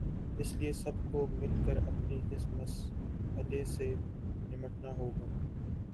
اس لیے سب کو مل کر اپنے اس مسئلے سے نمٹنا ہو گا۔